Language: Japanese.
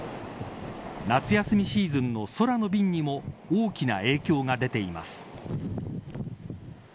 夏休みシーズンの空の便にも大きな影響が出ています。